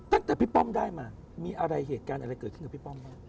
ตั้งแต่พี่ป้อมได้มามีอะไรเหตุการณ์อะไรเกิดขึ้นกับพี่ป้อมบ้าง